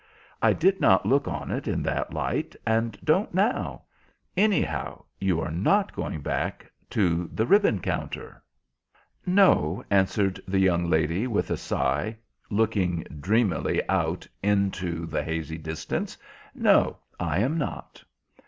I did not look on it in that light, and don't now. Anyhow, you are not going back to the ribbon counter." "No," answered the young lady, with a sigh, looking dreamily out into the hazy distance. "No, I am not."